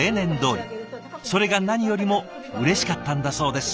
それが何よりもうれしかったんだそうです。